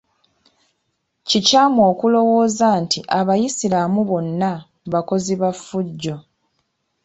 Kikyamu okulowooza nti abayisiraamu bonna bakozi ba ffujjo.